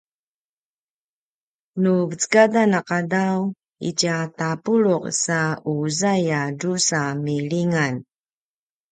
nu vecekadan a qadaw itja tapuluq sa uzai a drusa milingan